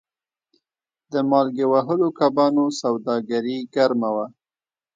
د مالګې وهلو کبانو سوداګري ګرمه وه.